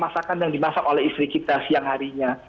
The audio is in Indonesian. masakan yang dimasak oleh istri kita siang harinya